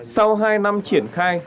sau hai năm triển khai